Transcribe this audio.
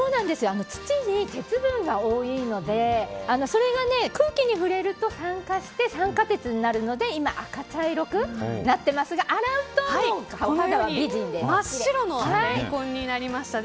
土に鉄分が多いのでそれが空気に触れると酸化して酸化鉄になるので今、赤茶色くなってますが真っ白のレンコンになりました。